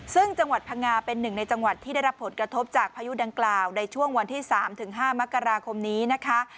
ซึ่งจังหวัดพังงาเป็นหนึ่งในจังหวัดที่ได้รับผลกระทบจากพายุดังกล่าวในช่วงวันที่๓๕มกราคมนี้นะคะ